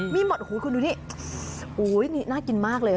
มีหมดโอ้โหคุณดูนี่น่ากินมากเลย